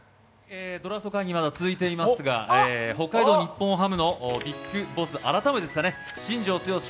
ドラフト会議、まだ続いていますが、北海道日本ハムのＢＩＧＢＯＳＳ改め新庄剛志